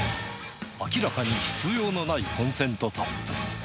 明らかに必要のないコンセントタップ。